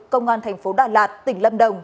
công an thành phố đà lạt tỉnh lâm đồng